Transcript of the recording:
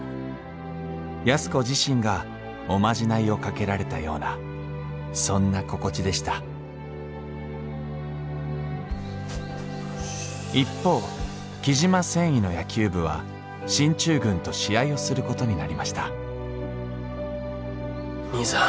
安子自身がおまじないをかけられたようなそんな心地でした一方雉真繊維の野球部は進駐軍と試合をすることになりました兄さん。